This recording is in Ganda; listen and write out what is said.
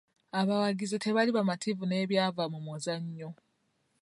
Abawagizi tebaali bamativu na byava mu muzannyo.